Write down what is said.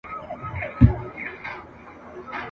نه تر کلي سوای چا تېل را رسولای ..